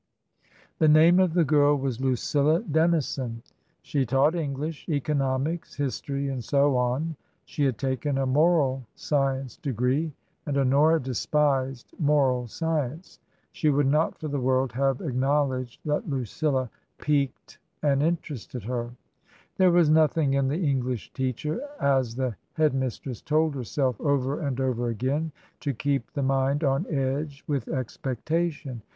The name of the girl was Lucilla Dennison. She taught English, economics, history, and so on. She had taken a moral science degree. And Honora despised moral science. She would not for the world have ac knowledged that Lucilla piqued and interested her. There was nothing in the English teacher, as the Head mistress told herself over and over again, to keep the mind on edge with expectation.